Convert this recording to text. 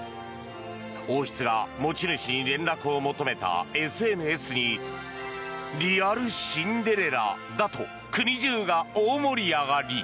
王室が持ち主に連絡を求めたＳＮＳにリアルシンデレラだと国中が大盛り上がり。